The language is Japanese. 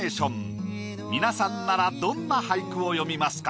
皆さんならどんな俳句を詠みますか？